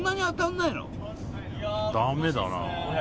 ダメだな。